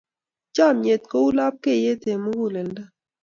Chomnyet kou lapkeiyet eng muguleldo.